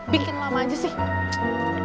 bikin lama aja sih